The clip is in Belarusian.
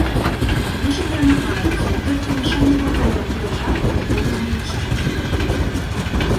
Мышы перамагаюць, і толькі умяшанне багоў ратуе жаб ад поўнага вынішчэння.